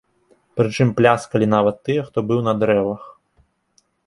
Прычым пляскалі нават тыя, хто быў на дрэвах.